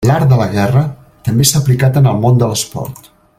L'art de la guerra també s'ha aplicat en el món de l'esport.